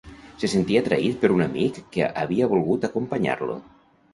Se sentia traït per un amic que havia volgut acompanyar-lo.